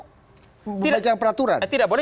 membaca peraturan tidak boleh